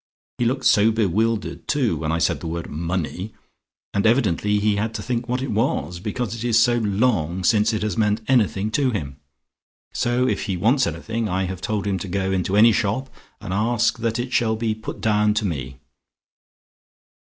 He looked so bewildered too when I said the word 'money,' and evidently he had to think what it was, because it is so long since it has meant anything to him. So if he wants anything, I have told him to go into any shop and ask that it shall be put down to me.